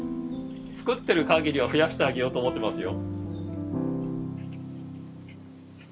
作ってる限りは増やしてあげようと思ってますよ。